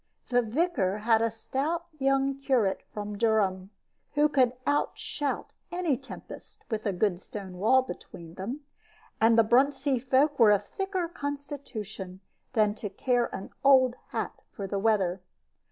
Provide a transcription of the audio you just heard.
The vicar had a stout young curate from Durham, who could outshout any tempest, with a good stone wall between them; and the Bruntsea folk were of thicker constitution than to care an old hat for the weather.